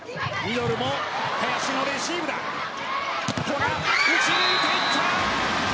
古賀、打ち抜いていった！